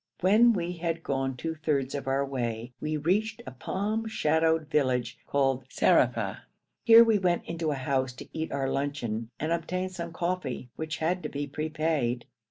When we had gone two thirds of our way we reached a palm shadowed village called Zarafa. Here we went into a house to eat our luncheon and obtain some coffee, which had to be prepaid.